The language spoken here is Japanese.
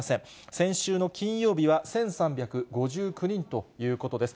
先週の金曜日は１３５９人ということです。